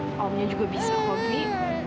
awalnya juga bisa hovi